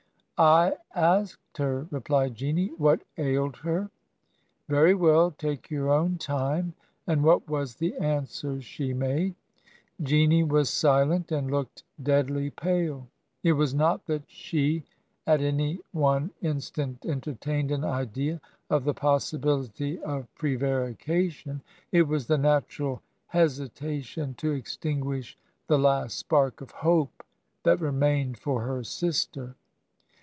'I asked her,' replied Jeanie, 'what ailed her.' 'Very well — ^take your own time — ^and what was the answer she made?' ... Jeanie was silent, and looked deadly pale. It was not that she at any one instant entertained an idea of the possibility of pre varication — ^it was the natiu al hesitation to extinguish the last spark of hope that remained for her sister.